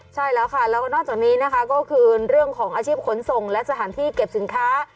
ใช่แล้วค่ะแล้วก็นอกจากนี้นะคะก็คือเรื่องของอาชีพขนส่งและสถานที่เก็บสินค้า